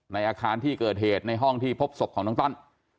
ในอาคารที่เกิดเหตุในห้องที่พบศพของน้องต้อน